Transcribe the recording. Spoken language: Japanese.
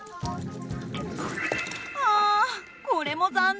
あこれも残念。